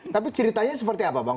tapi ceritanya seperti apa bang